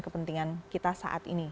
kepentingan kita saat ini